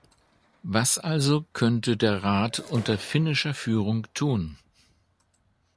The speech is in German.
Was also könnte der Rat unter finnischer Führung tun?